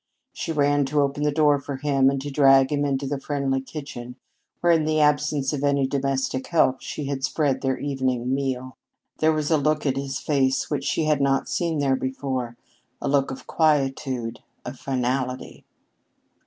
She ran to open the door for him and to drag him into the friendly kitchen, where, in the absence of any domestic help, she had spread their evening meal. There was a look in his face which she had not seen there before a look of quietude, of finality.